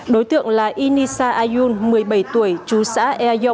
đối tượng là inisa ayun một mươi bảy tuổi chú xã ea giyo